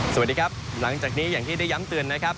สวัสดีครับหลังจากนี้อย่างที่ได้ย้ำเตือนนะครับ